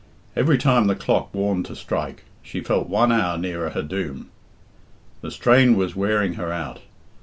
Every time the clock warned to strike, she felt one hour nearer her doom. The strain was wearing her out.